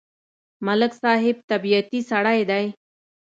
ملک صاحب طبیعتی سړی دی.